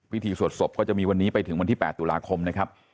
สวดศพก็จะมีวันนี้ไปถึงวันที่๘ตุลาคมนะครับ